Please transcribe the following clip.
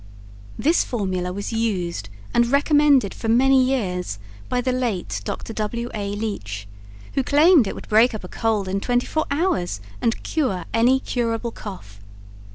This formula was used and recommended for many years by the late Dr. W. A. Leach, who claimed it would break up a cold in twenty four hours and cure any curable cough.